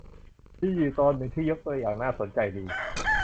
มีอยู่ตอนหนึ่งที่ยกตัวอย่างน่าสนใจดี